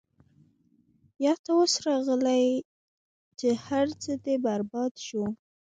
يا تۀ اوس راغلې چې هر څۀ دې برباد شو -